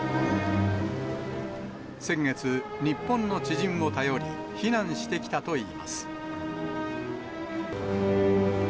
先月、日本の知人を頼り、避難してきたといいます。